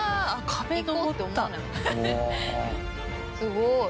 すごい！